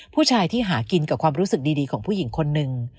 ผู้ชายที่หากินกับความรู้สึกดีของผู้หญิงคนหนึ่ง